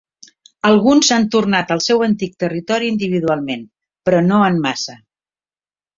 Alguns han tornat al seu antic territori individualment, però no en massa.